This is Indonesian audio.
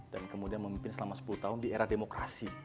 dan kemudian memimpin selama sepuluh tahun di era demokrasi